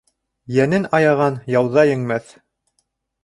Йәнен аяған яуҙа еңмәҫ.